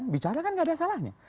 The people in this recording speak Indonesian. bicara kan nggak ada salahnya